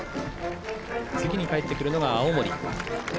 次に帰ってくるのが青森。